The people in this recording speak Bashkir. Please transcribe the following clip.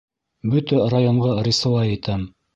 Бөтә районға рисуай итәм!